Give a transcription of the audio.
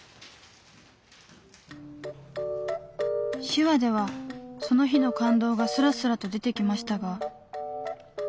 手話ではその日の感動がスラスラと出てきましたが。